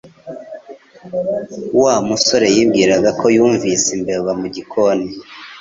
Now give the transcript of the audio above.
Wa musore yibwiraga ko yumvise imbeba mu gikoni